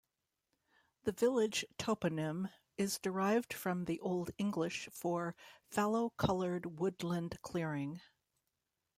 The village toponym is derived from the Old English for "fallow-coloured woodland clearing".